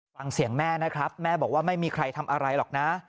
ฟังเสียงแม่นะครับแม่บอกว่าไม่มีใครทำอะไรหรอกนะ